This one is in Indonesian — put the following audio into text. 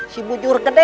si bujur gede